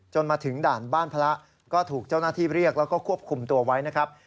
มาถึงด่านบ้านพระก็ถูกเจ้าหน้าที่เรียกแล้วก็ควบคุมตัวไว้นะครับ